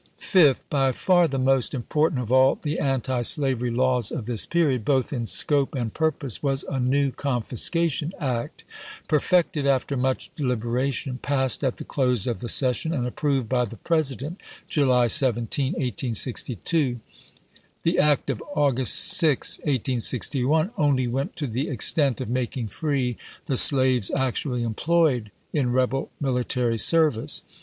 Fifth. By far the most important of all the anti slavery laws of this period, both in scope and pur pose, was a new Confiscation Act, perfected after much deliberation, passed at the close of the ses SIGNS OF THE TIMES 101 sion, and approved by the President July 17, 1862. chap. v. The act of August 6, 1861, only went to the extent of making free the slaves actually employed in rebel military service.